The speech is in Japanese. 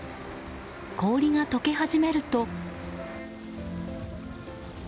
氷が溶け始めると。